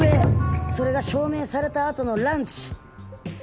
それが証明された後のランチ。